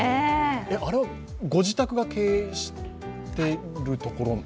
あれはご自宅が経営しているところ？